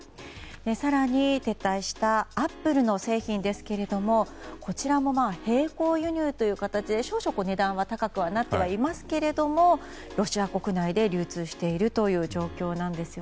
更に、撤退したアップルの製品ですけれどもこちらも並行輸入という形で少々値段は高くなっていますがロシア国内で流通しているという状況です。